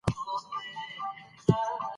افغان ځوانان له دې نوې ټیکنالوژۍ ډیره ګټه اخلي.